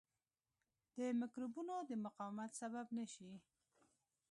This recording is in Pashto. د مکروبونو د مقاومت سبب نه شي.